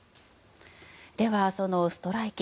では、そのストライキ